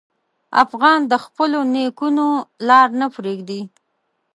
افغان د خپلو نیکونو لار نه پرېږدي.